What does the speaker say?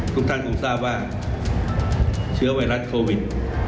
ทุกท่านคงทราบว่าเชื้อไวรัสโควิด